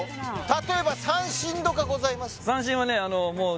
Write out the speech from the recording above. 例えば三線とかございます